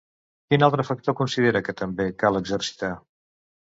Quin altre factor considera que també cal exercitar?